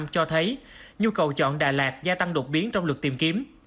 cho thấy nhu cầu chọn đà lạt gia tăng đột biến trong lượt tìm kiếm